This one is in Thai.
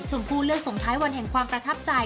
ผู้เลือกส่งท้ายวันแห่งความประทับใจ